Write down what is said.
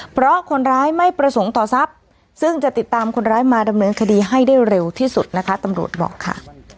เพราะคนร้ายไม่ประสงค์ต่อทรัพย์ซึ่งจะติดตามคนร้ายมาดำเนินคดีให้ได้เร็วที่สุดนะคะตำรวจบอกค่ะ